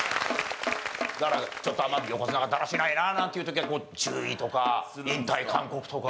だからちょっと横綱がだらしないななんていう時はこう注意とか引退勧告とか。